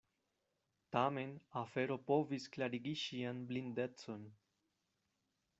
Tamen afero povis klarigi ŝian blindecon.